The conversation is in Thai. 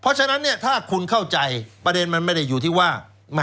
เพราะฉะนั้นเนี่ยถ้าคุณเข้าใจประเด็นมันไม่ได้อยู่ที่ว่า